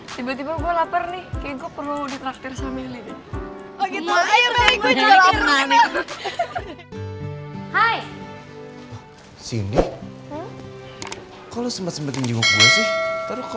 syukurlah kalau gitu